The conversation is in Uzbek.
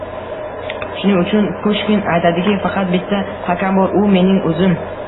Shuning uchun Pushkin aytadiki, “Faqat bitta hakam bor, u — mening o‘zim!”